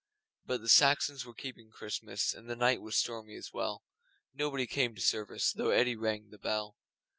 But the Saxons were keeping Christmas, And the night was stormy as well. Nobody came to service Though Eddi rang the bell.